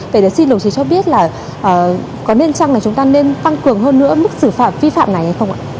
vậy xin đồng chí cho biết là có nên chăng là chúng ta nên tăng cường hơn nữa mức xử phạt vi phạm này hay không ạ